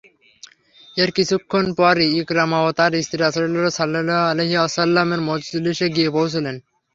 এর কিছুক্ষণ পরই ইকরামা ও তার স্ত্রী রাসূলুল্লাহ সাল্লাল্লাহু আলাইহি ওয়াসাল্লামের মজলিসে গিয়ে পৌঁছলেন।